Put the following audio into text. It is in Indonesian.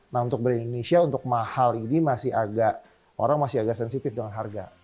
nah untuk brand indonesia untuk mahal ini masih agak orang masih agak sensitif dengan harga